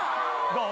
どう？